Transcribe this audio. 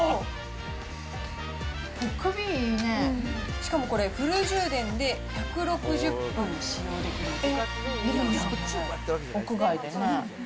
しかもこれ、フル充電で１６０分使用できるんです。